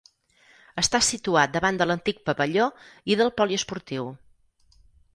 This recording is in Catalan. Està situat davant de l'antic pavelló i del poliesportiu.